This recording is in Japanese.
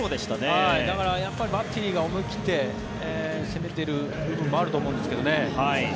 だからバッテリーが思い切って攻めている部分もあると思うんですけどね。